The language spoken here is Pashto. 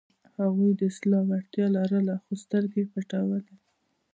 هغوی د اصلاح وړتیا لرله، خو سترګې یې پټولې.